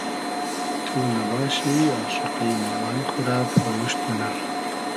تو نئباشی آشوقی مانای خو رۂ پورموشت مونۂ